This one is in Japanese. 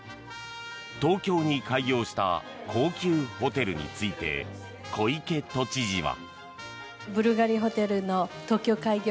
東京に開業した高級ホテルについて小池都知事は。